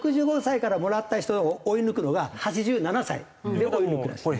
６５歳からもらった人を追い抜くのが８７歳で追い抜くらしい。